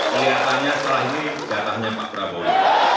kelihatannya setelah ini jatahnya pak prabowo